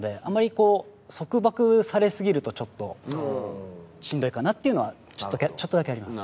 こう束縛されすぎるとちょっとしんどいかなっていうのはちょっとだけあります。